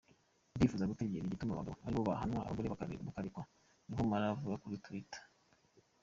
"Ndipfuza gutegera igituma abagabo aribo bahanwa, abagore bakarekwa," niko Malak avuga kuri Twitter.